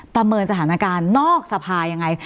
ประเมินสถานการณ์นอกสภายังไง